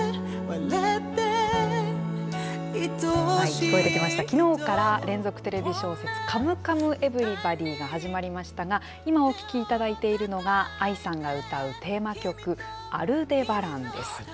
聞こえてきました、きのうから連続テレビ小説、カムカムエヴリバディが始まりましたが、今、お聴きいただいているのが、ＡＩさんが歌うテーマ曲、アルデバランです。